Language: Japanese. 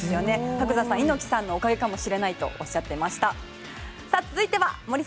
伯山さんは猪木さんのおかげかもしれないとおっしゃってました。